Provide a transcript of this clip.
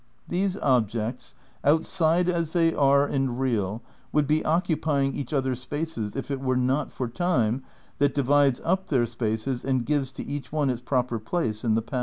These objects, outside as they are and real, would be occupying each other's spaces if it were not for time that divides up their spaces and gives to each one its proper "place" in the past.